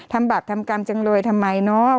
ทำบาปทำกรรมจังเลยทำไมเนอะ